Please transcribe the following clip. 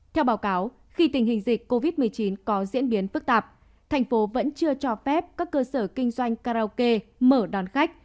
theo báo cáo khi tình hình dịch covid một mươi chín có diễn biến phức tạp thành phố vẫn chưa cho phép các cơ sở kinh doanh karaoke mở đón khách